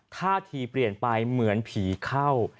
ท่าทีเปลี่ยนไปเหมือนผีเข้า